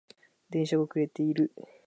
電車が遅れている